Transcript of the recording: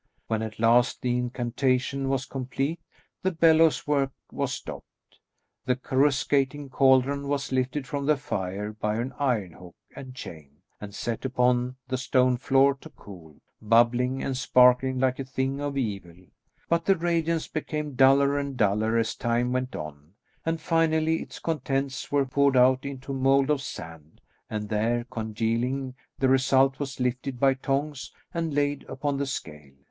When at last the incantation was complete, the bellows work was stopped. The coruscating caldron was lifted from the fire by an iron hook and chain, and set upon the stone floor to cool, bubbling and sparkling like a thing of evil; but the radiance became duller and duller as time went on, and finally its contents were poured out into a mould of sand, and there congealing, the result was lifted by tongs and laid upon the scale.